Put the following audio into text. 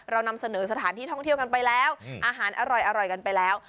เรานำเสนอสถานที่ท่องเที่ยวกันไปแล้วอาหารอร่อยกันไปแล้ว